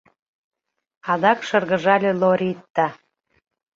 — Адак шыргыжале Лоритта.